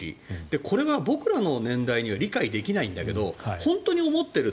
これが僕らの年代には理解できないんだけど本当に思っていると。